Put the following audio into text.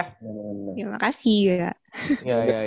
terima kasih ya kak